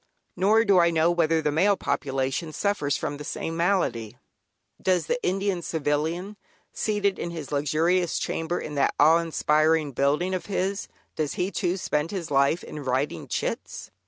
Nor do I know whether the male population suffers from the same malady. Does the Indian Civilian, seated in his luxurious chamber in that awe inspiring building of his, does he too spend his life in writing "chits"?